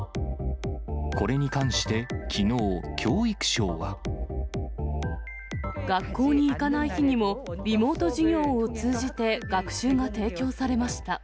これに関して、きのう、学校に行かない日にも、リモート授業を通じて学習が提供されました。